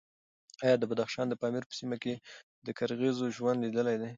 ایا د بدخشان د پامیر په سیمه کې د قرغیزو ژوند لیدلی دی؟